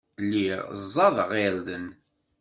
Lliɣ ẓẓadeɣ irden.